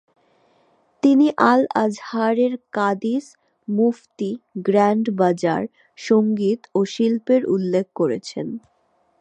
তিনি আল-আজহারের কাদিস, মুফতি, গ্র্যান্ড বাজার, সংগীত ও শিল্পের উল্লেখ করেছেন।